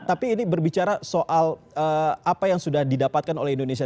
tapi ini berbicara soal apa yang sudah didapatkan oleh indonesia